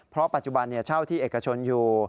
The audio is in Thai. เพราะปัจจุบันเช่าที่เอกชนอยู่